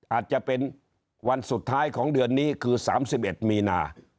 อาจจะเป็นวันสุดท้ายของเดือนนี้คือ๓๑มีนา